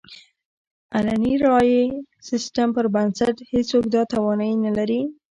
علني رایې سیستم پر بنسټ هېڅوک دا توانایي نه لري.